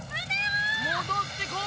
戻ってこい！